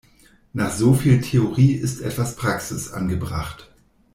Nach so viel Theorie ist etwas Praxis angebracht.